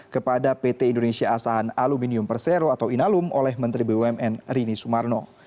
kepada pt indonesia asahan aluminium persero atau inalum oleh menteri bumn rini sumarno